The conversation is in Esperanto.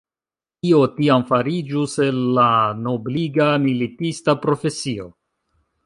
Kio tiam fariĝus el la nobliga militista profesio?